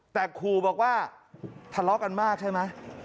แต่ขู่บอกว่าทะเลาะกันมากใช่ไหม